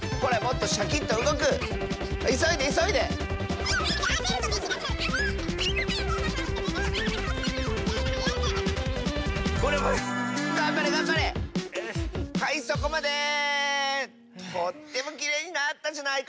とってもきれいになったじゃないか。